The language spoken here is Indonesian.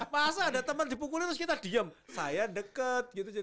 masa ada teman dipukuli terus kita diem